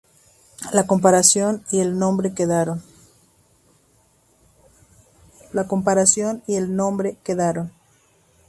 La comparación y el nombre quedaron.